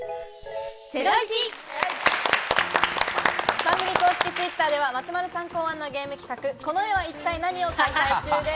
番組公式Ｔｗｉｔｔｅｒでは松丸さん考案のゲーム企画「この絵は一体ナニ！？」を開催中です。